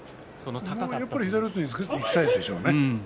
左四つにいきたいでしょうね